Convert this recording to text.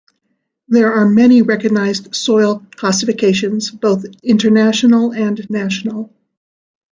There are many recognized soil classifications, both international and national.